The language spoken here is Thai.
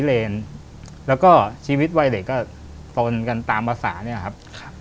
เลนแล้วก็ชีวิตวัยเด็กก็ตนกันตามภาษาเนี่ยครับ